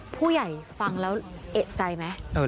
ผู้ใหญ่ฟังแล้วเอกใจไหม